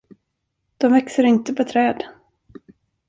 De växer inte på träd.